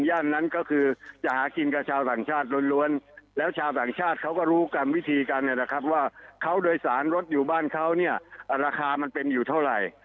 นั้นก็คือจะหากินกับชาวต่างชาติล้วนแล้วชาวต่างชาติเขาก็รู้กันวิธีกันเนี่ยนะครับว่าเขาโดยสารรถอยู่บ้านเขาเนี่ยราคามันเป็นอยู่เท่าไหร่